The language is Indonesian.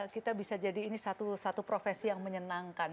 kita bisa jadi ini satu profesi yang menyenangkan